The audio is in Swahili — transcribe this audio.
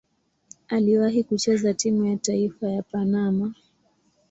Aliwahi kucheza timu ya taifa ya Panama.